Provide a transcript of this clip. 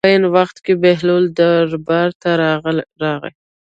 په عین وخت کې بهلول دربار ته راغی.